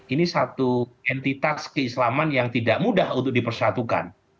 ini satu entitas keislaman yang tidak mudah untuk dipersatukan